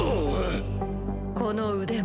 この腕も。